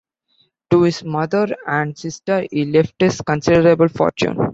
To his mother and sister he left his considerable fortune.